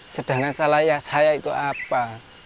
sedangkan salah ya saya itu apa